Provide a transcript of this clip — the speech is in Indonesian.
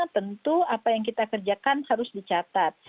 tentu apa yang kita kerjakan harus dicatat